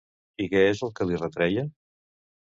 I què és el que li retreia?